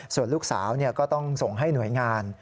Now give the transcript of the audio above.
ส่วนลูกสาวก็ต้องส่งให้หน่วยงาน